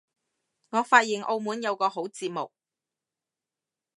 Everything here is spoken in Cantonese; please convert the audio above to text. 我發現澳門有個好節目